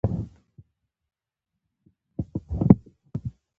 دوی نڅا او خوښي کوي.